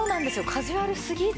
カジュアルすぎず。